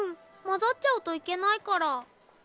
混ざっちゃうといけないから。